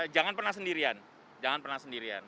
jangan pernah sendirian jangan pernah sendirian